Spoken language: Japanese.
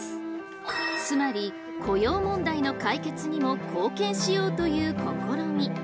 つまり雇用問題の解決にも貢献しようという試み。